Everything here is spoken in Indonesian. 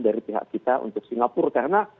dari pihak kita untuk singapura karena